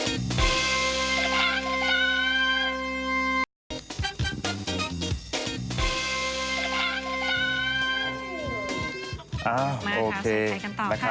มาค่ะสุดท้ายกันต่อค่ะ